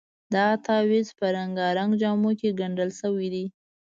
دغه تعویض په رنګارنګ جامو کې ګنډل شوی دی.